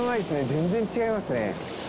全然違いますね。